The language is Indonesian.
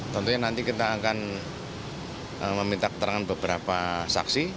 tentunya nanti kita akan meminta keterangan beberapa saksi